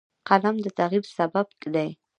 قلم د تغیر سبب دی